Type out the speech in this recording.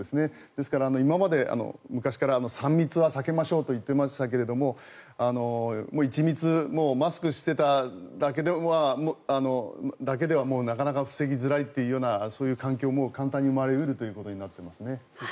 ですから今まで昔から３密は避けましょうと言っていましたが１密、マスクしていただけではなかなか防ぎづらいというようなそういう環境も簡単に生まれ得るということになっていますね。